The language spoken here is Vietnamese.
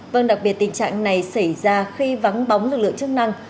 vâng đặc biệt tình trạng này xảy ra khi vắng bóng lực lượng chức năng